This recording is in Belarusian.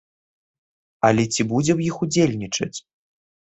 Але ці будзе ў іх удзельнічаць?